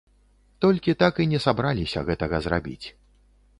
Толькі так і не сабраліся гэтага зрабіць.